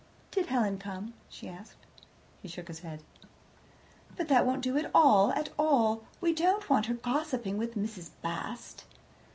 "Did Helen come?" she asked. He shook his head. "But that won't do at all, at all! We don't want her gossiping with Mrs. Bast."